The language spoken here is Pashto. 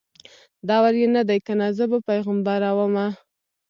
دور یې نه دی کنه زه به پیغمبره ومه